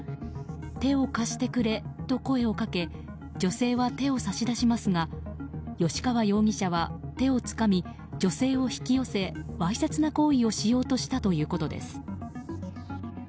手を貸してくれと声をかけ女性は手を差し出しますが吉川容疑者は手をつかみ女性を引き寄せわいせつな行為をしようとしたということです。